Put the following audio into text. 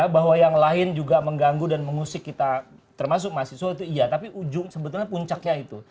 bahwa yang lain juga mengganggu dan mengusik kita termasuk mahasiswa itu iya tapi ujung sebetulnya puncaknya itu